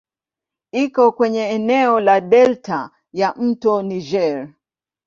Iko kwenye eneo la delta ya "mto Niger".